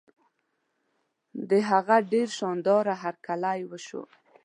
د هغه ډېر شان داره هرکلی وشو.